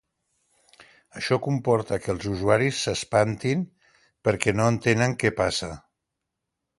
Això comporta que els usuaris “s’espantin perquè no entenen què passa”.